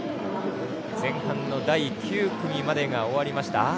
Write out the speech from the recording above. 前半の第９組までが終わりました。